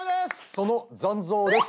その残像です。